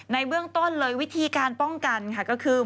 ในเบื้องต้นเลยวิธีการป้องกันค่ะก็คือ